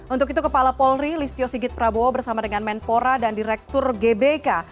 untuk itu kepala polri listio sigit prabowo bersama dengan menpora dan direktur gbk